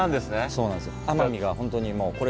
そうなんですよ。